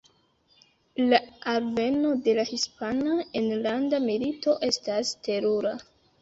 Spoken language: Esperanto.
La alveno de la Hispana Enlanda Milito estas terura.